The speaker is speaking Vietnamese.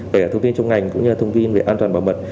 về thông tin trong ngành cũng như là thông tin về an toàn bảo mật